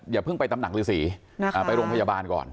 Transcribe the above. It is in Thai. อย่าเพิ่งไปตำหนักฤษีไปโรงพยาบาลก่อน